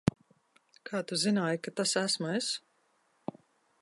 Kā tu zināji, ka tas esmu es?